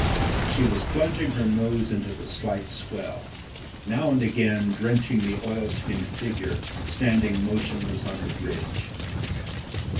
She was plunging her nose into the slight swell, now and again drenching the oilskinned figure standing motionless on the bridge.